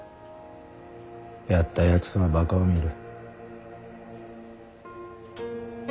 やったやつはバカを見る。